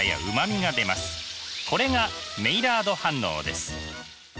これがメイラード反応です。